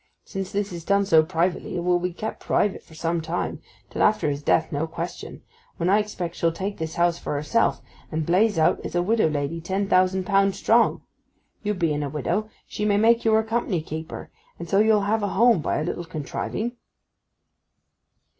Since this is done so privately it will be kept private for some time—till after his death, no question;—when I expect she'll take this house for herself; and blaze out as a widow lady ten thousand pound strong. You being a widow, she may make you her company keeper; and so you'll have a home by a little contriving.